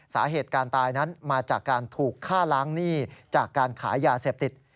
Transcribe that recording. สาเหตุการตายนั้นมาจากการถูกฆ่าล้างหนี้จากการขายยาเสพติด